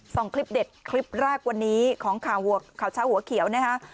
สองคลิปเด็ดคลิปแรกวันนี้ของข่าวเช้าหัวเขียวนะฮะ